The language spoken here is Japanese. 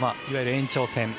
いわゆる延長戦。